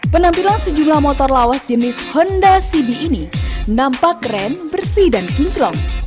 penampilan sejumlah motor lawas jenis honda cb ini nampak keren bersih dan kinclong